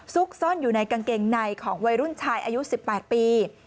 ซุกซ่อนอยู่ในกางเกงในของวัยรุ่นชายอายุ๑๘ปี